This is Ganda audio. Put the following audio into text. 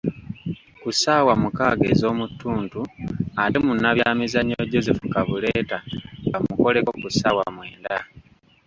Ku ssaawa mukaaga ez'omu ttuntu ate Munnabyamizannyo Joseph Kabuleta baamukoleko ku ssaawa mwenda .